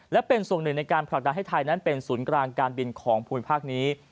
และเป็นส่วนหนึ่งในการผลักดันให้ไทยนั้นเป็นศูนย์กลางการบินของภูมิภาคนี้